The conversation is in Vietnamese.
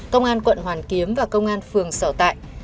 công an quận hoàn kiếm và công an phường sở tại